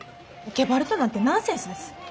ゲバルトなんてナンセンスです。